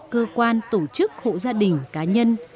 cơ quan tổ chức hộ gia đình cá nhân